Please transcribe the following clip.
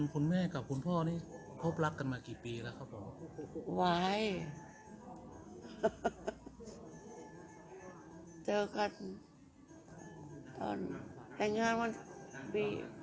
คุณแม่กับคุณพ่อนี่พบรักกันมากี่ปีแล้วครับผม